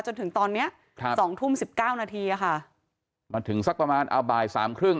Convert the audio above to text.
จนถึงตอนเนี้ยครับสองทุ่มสิบเก้านาทีอ่ะค่ะมาถึงสักประมาณเอาบ่ายสามครึ่ง